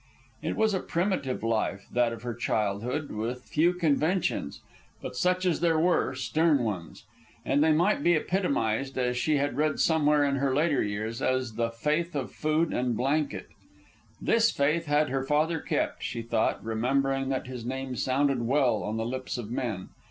It was a primitive life, that of her childhood, with few conventions, but such as there were, stern ones. And they might be epitomized, as she had read somewhere in her later years, as "the faith of food and blanket." This faith had her father kept, she thought, remembering that his name sounded well on the lips of men.